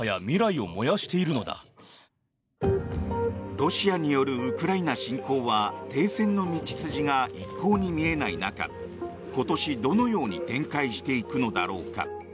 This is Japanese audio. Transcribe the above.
ロシアによるウクライナ侵攻は停戦の道筋が一向に見えない中今年、どのように展開していくのだろうか。